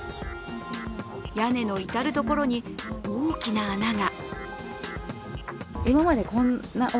屋根の至る所に大きな穴が。